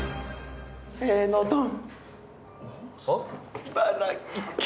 せのドン。